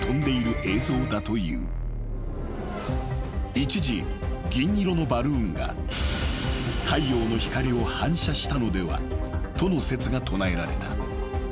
［一時銀色のバルーンが太陽の光を反射したのではとの説が唱えられた］